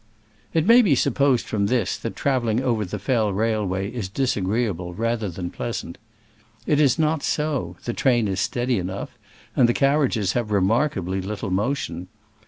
It may be supposed from this that traveling over the Fell railway is dis agreeable rather than pleasant. It is not so : the train is steady enough, and the carriages have remarkably little mo tion.